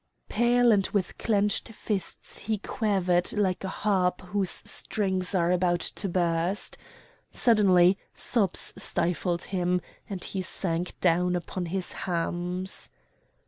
Pale and with clenched fists he quivered like a harp whose strings are about to burst. Suddenly sobs stifled him, and he sank down upon his hams.